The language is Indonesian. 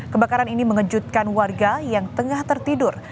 kebakaran ini mengejutkan warga yang tengah tertidur